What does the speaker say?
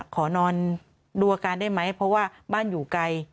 ขอนอนดูอาการได้ไหมเพราะว่าบ้านอยู่ไกล